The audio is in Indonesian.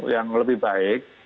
yang lebih baik